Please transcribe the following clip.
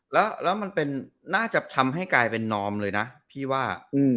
แล้วมันเป็นน่าจะทำให้กลายเป็นนอมเลยนะพี่ว่า